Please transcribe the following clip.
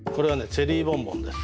チェリーボンボンです。